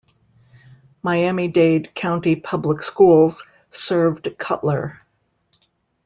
Miami-Dade County Public Schools served Cutler.